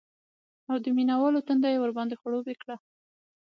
او د مینه والو تنده یې ورباندې خړوب کړه